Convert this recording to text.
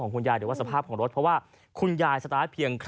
มีแปลงขับขี่ปะเนี่ย